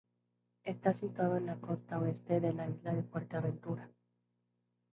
Está situado en la costa oeste de la isla de Fuerteventura.